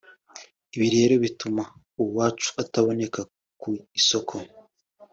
ibi rero bituma uwacu utaboneka ku isoko